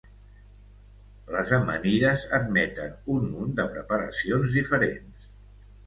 Les amanides admeten un munt de preparacions diferents.